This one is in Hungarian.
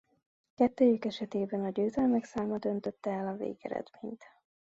Kettejük esetében a győzelmek száma döntötte el a végeredményt.